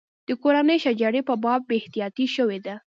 د کورنۍ شجرې په باب بې احتیاطي شوې ده.